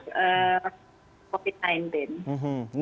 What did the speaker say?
tapi itu memang menurut saya adalah hal yang sangat penting